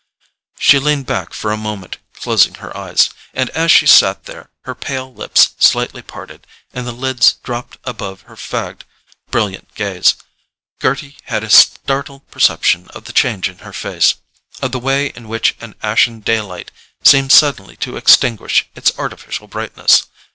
She leaned back for a moment, closing her eyes, and as she sat there, her pale lips slightly parted, and the lids dropped above her fagged brilliant gaze, Gerty had a startled perception of the change in her face—of the way in which an ashen daylight seemed suddenly to extinguish its artificial brightness.